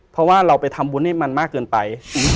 เพราะว่าเราไปทำบุญให้มันมากเกินไป